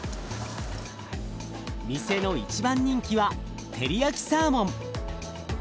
店の一番人気はテリヤキサーモン。